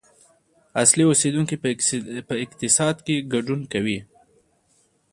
اصلي اوسیدونکي په اقتصاد کې ګډون کوي.